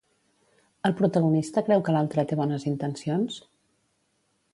El protagonista creu que l'altre té bones intencions?